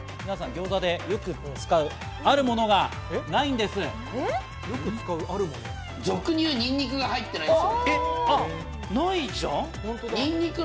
ギョーザでよく使うあるものがないんです。